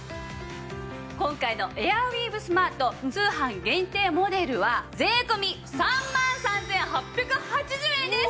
今回のエアウィーヴスマート通販限定モデルは税込３万３８８０円です！